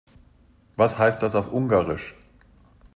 Was heißt das auf Ungarisch?